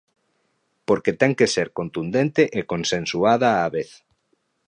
Porque ten que ser contundente e consensuada á vez.